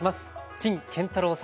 陳建太郎さんです。